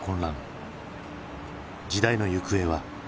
時代の行方は？